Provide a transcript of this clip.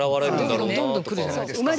どんどんどんどん来るじゃないですか。